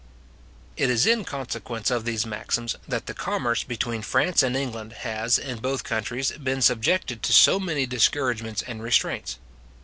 It is in consequence of these maxims, that the commerce between France and England has, in both countries, been subjected to so many discouragements and restraints.